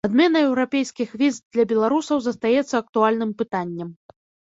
Адмена еўрапейскіх віз для беларусаў застаецца актуальным пытаннем.